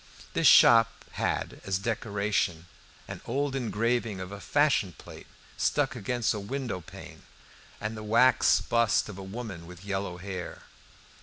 This shop had as decoration an old engraving of a fashion plate stuck against a windowpane and the wax bust of a woman with yellow hair.